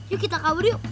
yuk kita kabur yuk